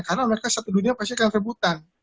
karena mereka satu dunia pasti akan reputan